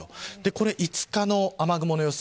これ５日の雨雲の様子。